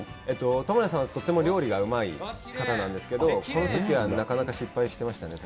倫也さんはとっても料理がうまい方なんですけど、そのときはなかなか失敗してましたね。